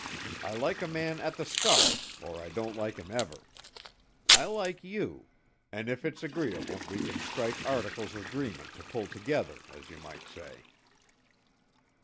I like a man at the start or I don't like him ever. I like you, an' if it's agreeable we can strike articles of 'greement to pull together, as you might say."